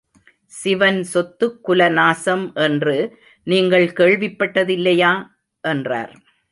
சிவன் சொத்து குல நாசம் என்று நீங்கள் கேள்விப்பட்டதில்லையா? என்றார்.